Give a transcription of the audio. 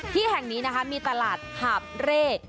ที่แห่งนี้นะคะมีตลาดหาบเร่